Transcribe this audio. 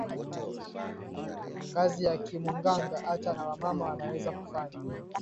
Kazi ya ki munganga ata na wa mama wanaweza kufanya